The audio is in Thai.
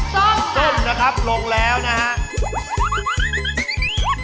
ส้มค่ะส้มนะครับลงแล้วนะคะ